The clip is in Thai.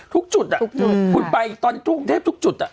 ทุกจุดอะคุณไปตอนธุกรุงเทพทุกจุดอะ